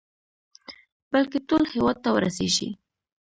بلكې ټول هېواد ته ورسېږي.